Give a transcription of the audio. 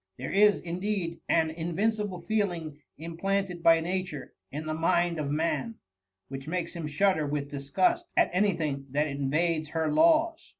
There is indeed an in* ▼incible feeling implanted by Nature in the mind oi man, which makes him shudder with disgust at any thing that invades her laws.